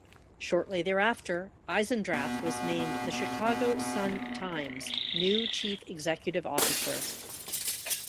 Shortly thereafter, Eisendrath was named the Chicago Sun Times new chief executive officer.